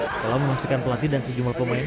setelah memastikan pelatih dan sejumlah pemain